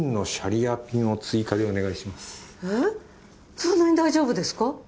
そんなに大丈夫ですか？